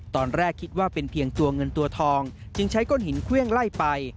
ตอนแรกคิดว่าเป็นเพียงตัวเงินตัวทองจึงใช้ก้นหินเครื่องไล่ไป